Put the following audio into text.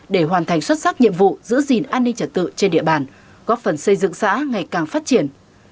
để hoàn thành xuất sắc nhiệm vụ giữ gìn an ninh trật tự trên địa bàn góp phần xây dựng xã ngày càng phát triển